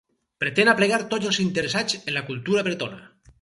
Pretén aplegar tots els interessats en la cultura bretona.